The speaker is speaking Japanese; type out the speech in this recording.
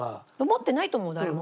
思ってないと思う誰も。